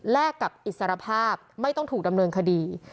กับอิสรภาพไม่ต้องถูกดำเนินคดี